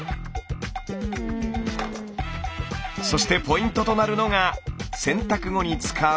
そしてポイントとなるのが洗濯後に使う。